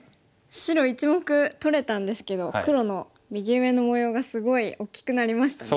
白１目取れたんですけど黒の右上の模様がすごい大きくなりましたね。